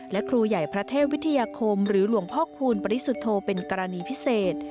และครูใหญ่พระเทพวิทยาคมหรือหลวงพ่อคูณปริสุทธโธเป็นกรณีพิเศษ